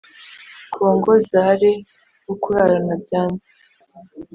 Congo Za re wo kurarana byanze